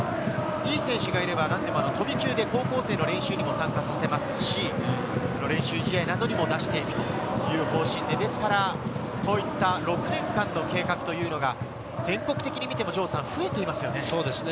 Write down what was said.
選手がいたら、高校生の練習にも参加させますし、練習試合にも出していくという方針で、こういった６年間の計画というのが全国的に見ても増えていますよね。